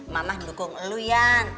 mama dukung lo yan